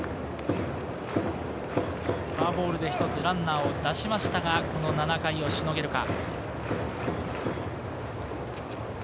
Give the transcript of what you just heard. フォアボールで一つランナーを出しましたが、この７回をしのげるか。